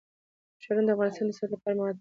ښارونه د افغانستان د صنعت لپاره مواد برابروي.